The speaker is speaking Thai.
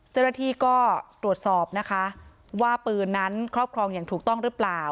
เจ้าหน้าที่ก็ตรวจสอบนะคะว่าปืนนั้นครอบครองอย่างถูกต้องหรือเปล่า